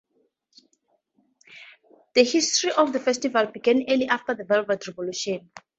The history of the festival began early after the Velvet revolution.